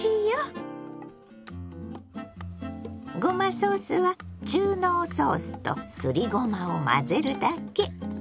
ごまソースは中濃ソースとすりごまを混ぜるだけ。